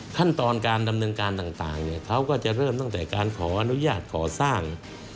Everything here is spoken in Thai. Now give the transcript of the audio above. ขั้นตอนการดำเนินการต่างเขาก็จะเริ่มตั้งแต่การขออนุญาตก่อสร้าง